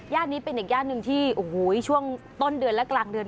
นี้เป็นอีกย่านหนึ่งที่โอ้โหช่วงต้นเดือนและกลางเดือน